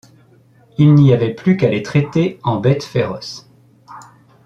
Il n’y avait plus qu’à les traiter en bêtes féroces.